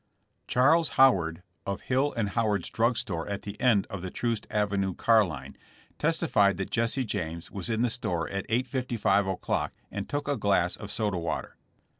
Charles Howard, of Hill & Howard's drug store at the end of the Troost avenue ear line, testi fied that Jesse James was in the store at 8:55 o'clock and took a glass of soda water.